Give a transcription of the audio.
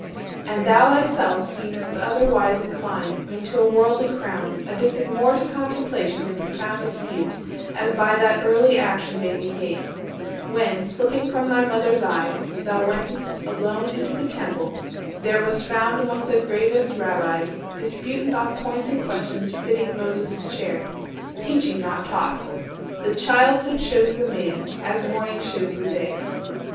And thou thyself seem'st otherwise inclined Than to a worldly crown, addicted more To contemplation and profound dispute; As by that early action may be judged, When, slipping from thy mother's eye, thou went'st Alone into the Temple, there wast found Among the gravest Rabbies, disputant On points and questions fitting Moses' chair, Teaching, not taught. The childhood shews the man, 220 As morning shews the day.